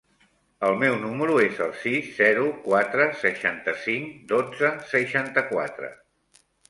El meu número es el sis, zero, quatre, seixanta-cinc, dotze, seixanta-quatre.